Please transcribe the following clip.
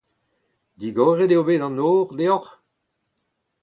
Digoret eo bet an nor deoc'h ?